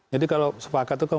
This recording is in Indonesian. jadi kalau sepakat itu